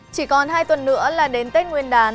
chỉ còn hai tuần nữa là đến tết nguyên đán